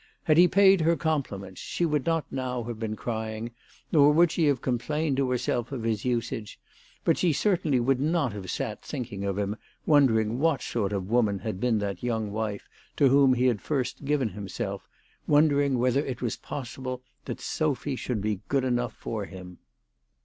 Had he paid her compliments she would not now have been crying, nor would she have complained to herself of his usage ; but she certainly would not have sat thinking of Tiim, wondering what sort of woman had been that young wife to whom he had first given himself, wondering whether it was possible that Sophy should be good enough for him.